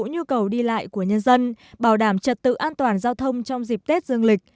nhu cầu đi lại của nhân dân bảo đảm trật tự an toàn giao thông trong dịp tết dương lịch